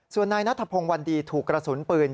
ส่วนนายนัทพงศ์วันดีถูกกระสุนปืน